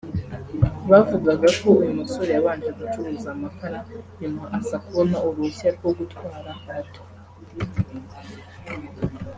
bavugaga ko uyu musore yabanje gucuruza amakara nyuma aza kubona uruhushya rwo gutwara moto